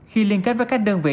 khi liên kết với các đơn vị